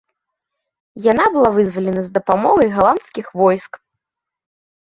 Яна была вызвалена з дапамогай галандскіх войск.